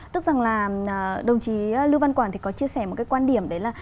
tức rằng là đồng chí lưu văn quảng thì có chia sẻ một cái quan điểm đấy là